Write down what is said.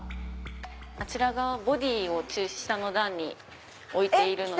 あちらがボディーを下の段に置いているので。